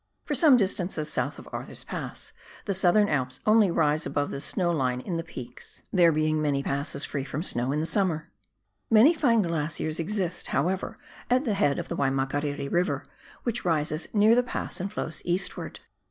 For some distance south of Arthur's Pass the Southern Alps only rise above the snow line in the peaks, there being many INTRODUCTORY RE]SIARKS. 3 passes free from snow in the summer. Many fine glaciers exist, however, at the head of the Waimakariri E,iver, which rises near the pass and flows eastwards.